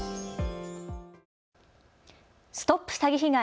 ＳＴＯＰ詐欺被害！